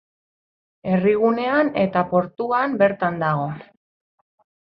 Herrigunean eta portuan bertan dago.